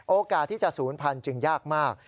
โอกาสที่จะศูนย์พันธุจึงยากมาก